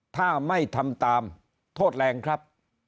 ถ้าไม่ทำตามโทษแรงครับ